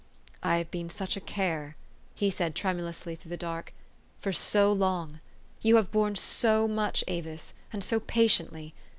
" I have been such a care," he said tremulously through the dark, " for so long ! You have borne so much, Avis, and so patiently